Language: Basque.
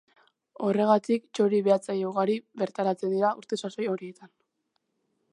Horregatik, txori-behatzaile ugari bertaratzen dira urte-sasoi horietan.